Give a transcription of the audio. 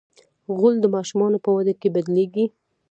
غول د ماشومانو په وده کې بدلېږي.